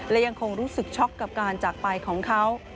และยังคงรู้สึกช็อกกับการจากไปของเขา